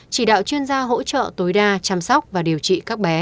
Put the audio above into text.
chỉ đạo chuyên gia hỗ trợ tối đa chăm sóc và điều trị